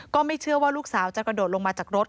ก็ไม่เชื่อว่าลูกสาวจะกระโดดลงมาจากรถ